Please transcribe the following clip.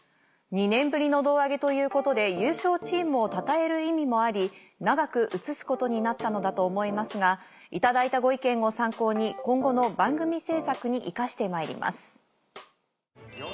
２年ぶりの胴上げということで優勝チームをたたえる意味もあり長く映すことになったのだと思いますが頂いたご意見を参考に今後の番組制作に生かしてまいります」。